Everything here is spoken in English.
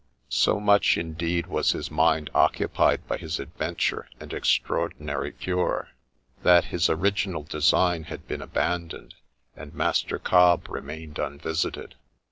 So much, indeed, was his mind occupied by his adventure and extraordinary cure, that his original design had been abandoned, and Master Cobbe remained unvisited.